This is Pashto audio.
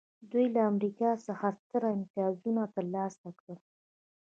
دوی له امریکا څخه ستر امتیازونه ترلاسه کړل